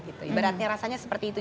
ibaratnya rasanya seperti itu